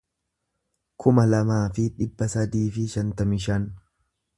kuma lamaa fi dhibba sadii fi shantamii shan